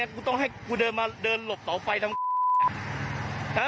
กูต้องให้กูเดินมาเดินหลบเสาไฟทั้งคู่